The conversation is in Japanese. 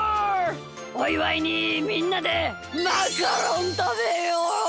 おいわいにみんなでマカロンたべよう！